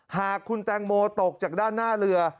หากคุณแตงโมตกจากด้านหน้าเรือ